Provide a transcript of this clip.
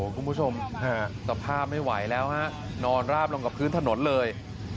คุณผู้ชมสภาพไม่ไหวแล้วฮะนอนราบลงกับพื้นถนนเลย